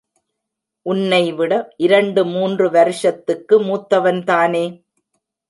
உன்னைவிட இரண்டு மூன்று வருஷத்துக்கு மூத்தவன்தானே?